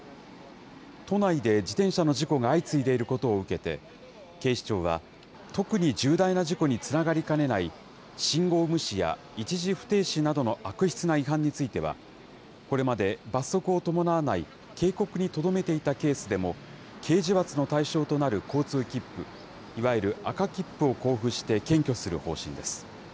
都内で自転車の事故が相次いでいることを受けて、警視庁は、特に重大な事故につながりかねない、信号無視や一時不停止などの悪質な違反については、これまで罰則を伴わない警告にとどめていたケースでも、刑事罰の対象となる交通切符、いわゆる赤切符を交付して検挙する方針です。